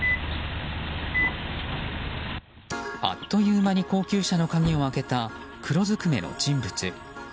あっという間に高級車の鍵を開けた黒ずくめの人物。